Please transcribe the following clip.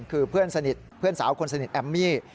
คือเพื่อนสนิทเพื่อนสาวคนสนิทแอมมี่